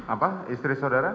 apa istri saudara